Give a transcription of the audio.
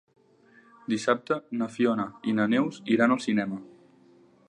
Dissabte na Fiona i na Neus iran al cinema.